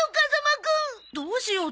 どうしよう？